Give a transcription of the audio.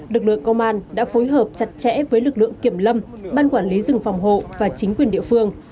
lực lượng công an đã phối hợp chặt chẽ với lực lượng kiểm lâm ban quản lý rừng phòng hộ và chính quyền địa phương